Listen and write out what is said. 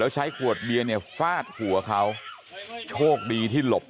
ใช่ครับ